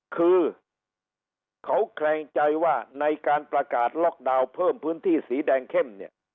คือเขาแคลงใจว่าในการประกาศล็อกดาวน์เพิ่มพื้นที่สีแดงเข้มเนี่ย